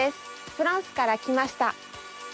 フランスから来ました。